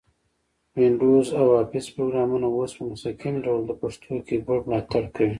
وینډوز او افس پروګرامونه اوس په مستقیم ډول د پښتو کیبورډ ملاتړ کوي.